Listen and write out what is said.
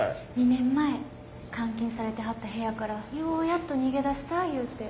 ２年前監禁されてはった部屋からようやっと逃げ出せたゆうて。